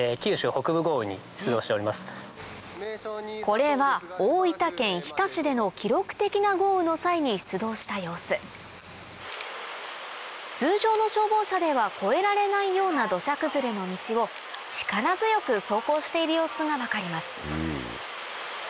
これは大分県日田市での記録的な豪雨の際に出動した様子通常の消防車では越えられないような土砂崩れの道を力強く走行している様子が分かります